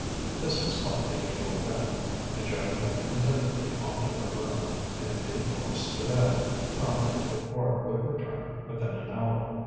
This was quite the usual thing, and Joan went contentedly off to her room and in due course to bed, confident that Quard would return within an hour.